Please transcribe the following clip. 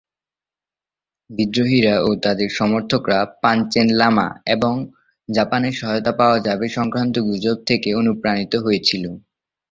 বিদ্রোহীরা ও তাদের সমর্থকরা পাঞ্চেন লামা এবং জাপানের সহায়তা পাওয়া যাবে সংক্রান্ত গুজব থেকে অনুপ্রাণিত হয়েছিল।